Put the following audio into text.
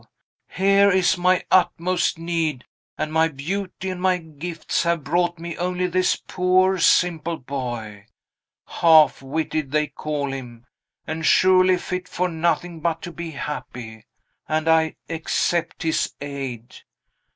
here is my utmost need; and my beauty and my gifts have brought me only this poor, simple boy. Half witted, they call him; and surely fit for nothing but to be happy. And I accept his aid!